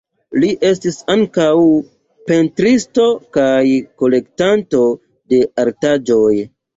Li estis ankaŭ pentristo kaj kolektanto de artaĵoj.